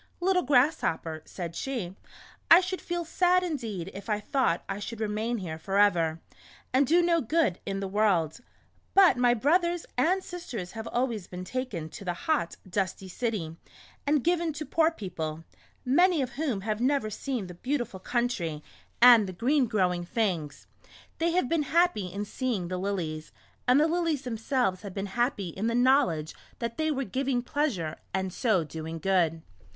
'* Little Grasshopper," said she, *' I should feel sad indeed if I thought I should remain here for ever, and do no good in the world ; but my brothers and sisters have always been taken to the hot, dusty city, and given to poor people, many of whom have never seen the beautiful country, and A Grasshopper's Trip to the City. 125 the green growing things. They have been happy in seeing the lilies, and the lilies themselves have been happy in the knowledge that they were giving pleasure, and so doing good."